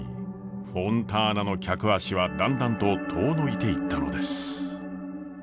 フォンターナの客足はだんだんと遠のいていったのです。